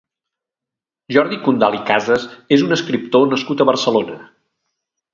Jordi Condal i Casas és un escriptor nascut a Barcelona.